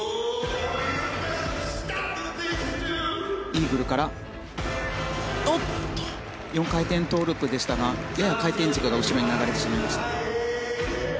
イーグルから４回転トウループでしたがやや回転軸が後ろに流れてしまいました。